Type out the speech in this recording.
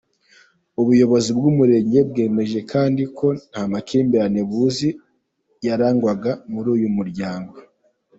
Ubuyobozi bw’Umurenge bwemeje kandi ko nta makimbirane buzi yarangwaga muri uyu muryango.